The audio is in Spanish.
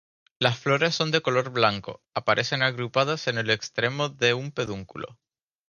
Las flores son de color blanco, aparecen agrupadas en el extremo de un pedúnculo.